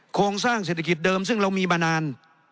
โครงสร้างเศรษฐกิจเดิมซึ่งเรามีมานาน